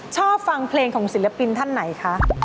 ชอบฟังเพลงของศิลปินท่านไหนคะ